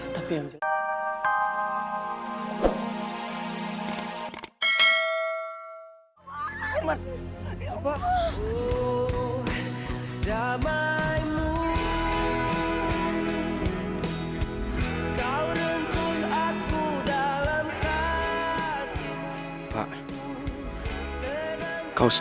tapi yang jelas